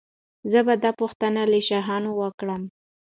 زه به دا پوښتنه له شاهانو وکړم.